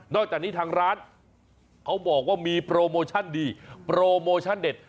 จากนี้ทางร้านเขาบอกว่ามีโปรโมชั่นดีโปรโมชั่นเด็ด